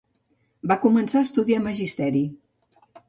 Va començar a estudiar magisteri.